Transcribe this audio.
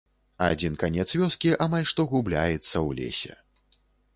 Адзін канец вёскі амаль што губляецца ў лесе.